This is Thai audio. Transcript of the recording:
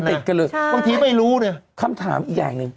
ติดกันเลยบางทีไม่รู้เนี่ยคำถามอีกอย่างหนึ่ง